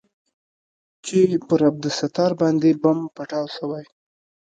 چې پر عبدالستار باندې بم پټاو سوى.